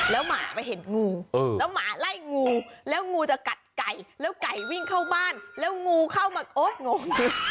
แล้วหมาไปเห็นงูแล้วหมาไล่งูแล้วงูจะกัดไก่แล้วไก่วิ่งเข้าบ้านแล้วงูเข้ามาโก๊กงม